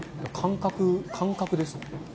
感覚ですね。